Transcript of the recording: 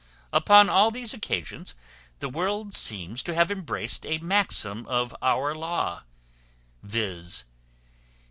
Upon all these occasions the world seems to have embraced a maxim of our law, viz.